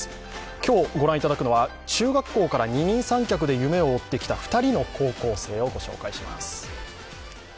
今日御覧いただくのは、中学校から二人三脚で夢を追ってきた２人の高校生をご紹介します。